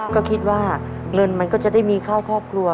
ก็คิดว่าเงินมันก็จะได้มีเข้าครอบครัว